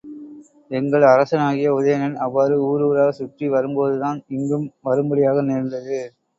எங்கள் அரசனாகிய உதயணன் அவ்வாறு ஊர் ஊராகச் சுற்றி வரும்போதுதான் இங்கும் வரும்படியாக நேர்ந்தது.